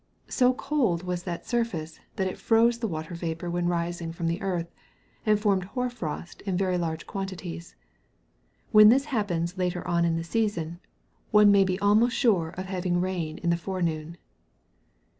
So cold was that surface that it froze the water vapour when rising from the earth, and formed hoar frost in very large quantities. When this happens later on in the season, one may be almost sure of having rain in the forenoon.